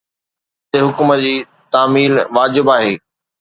خدا جي حڪم جي تعميل واجب آهي